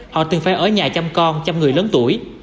họ từng phải ở nhà chăm con chăm người lớn tuổi